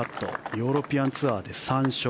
ヨーロピアンツアーで３勝。